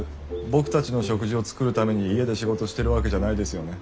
僕たちの食事を作るために家で仕事してるわけじゃないですよね？